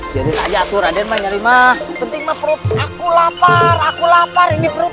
jadi aja turanian menyelimah penting aku lapar aku lapar ini perut